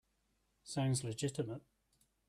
Sounds legitimate.